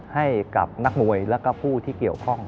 ให้กับนักมวยแล้วก็ผู้ที่เกี่ยวข้อง